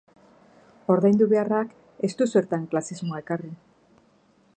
Ordaindu beharrak ez du zertan klasismoa ekarri.